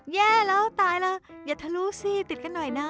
แย่แล้วตายแล้วอย่าทะลุสิติดกันหน่อยนะ